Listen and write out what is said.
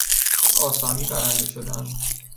به آسانی برنده شدن